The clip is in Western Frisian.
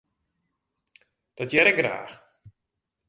Dat hear ik graach.